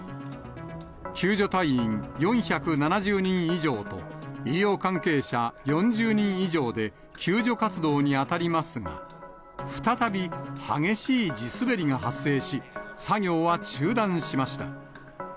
救助隊員４７０人以上と、医療関係者４０人以上で、救助活動に当たりますが、再び激しい地滑りが発生し、作業は中断しました。